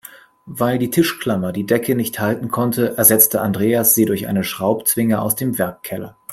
Weil die Tischklammer die Decke nicht halten konnte, ersetzte Andreas sie durch eine Schraubzwinge aus dem Werkkeller.